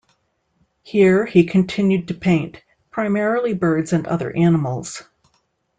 Here he continued to paint, primarily birds and other animals.